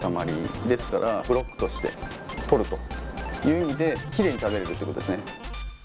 ですからブロックとして取るという意味でキレイに食べれるってことですね。